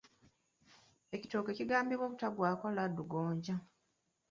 Ekitooke ekigambibwa obutagwako laddu ggonja.